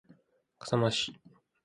笠間市